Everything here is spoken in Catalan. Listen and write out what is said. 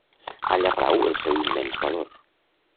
Allà rau el seu immens valor.